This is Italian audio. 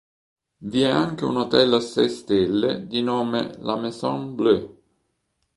Vi è anche un hotel a sei stelle di nome La Maison Bleue.